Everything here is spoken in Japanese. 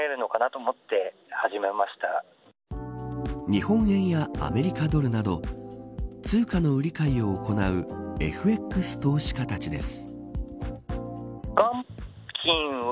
日本円やアメリカドルなど通貨の売り買いを行うＦＸ投資家たちです。